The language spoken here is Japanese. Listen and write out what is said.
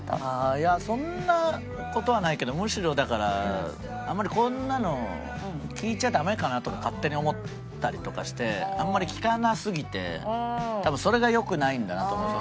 いやそんな事はないけどむしろだからあんまりこんなの聞いちゃダメかな？とか勝手に思ったりとかしてあんまり聞かなすぎて多分それが良くないんだなと思う。